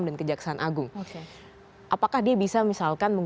dan kejaksaan agung